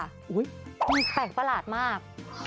แปลกประหลาดมาก